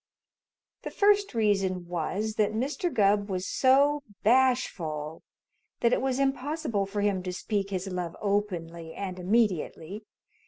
The first reason was that Mr. Gubb was so bashful that it was impossible for him to speak his love openly and immediately.